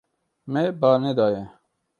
Me ba nedaye.